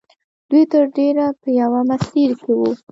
دوی تر ډېره په یوه مسیر کې وو